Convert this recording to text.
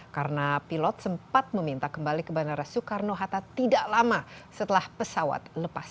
karena pilot sempat meminta kembali ke bandara soekarno hatta tidak lama setelah pesawat lepas lari